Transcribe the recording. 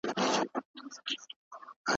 بد ملګری انسان له لارې وباسي.